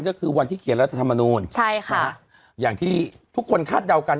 ก็คือวันที่เขียนรัฐธรรมนูลใช่ค่ะอย่างที่ทุกคนคาดเดากัน